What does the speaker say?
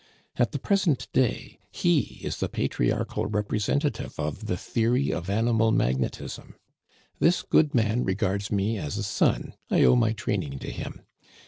At the present day he is the patriarchal representative of the theory of animal magnetism. This good man regards me as a son; I owe my training to him.